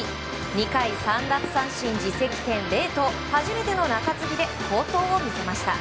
２回３奪三振、自責点０と初めての中継ぎで好投を見せました。